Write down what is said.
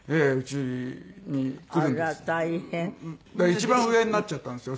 一番上になっちゃったんですよ